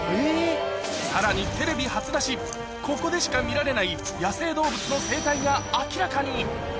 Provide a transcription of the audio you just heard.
さらにテレビ初出し、ここでしか見られない野生動物の生態が明らかに。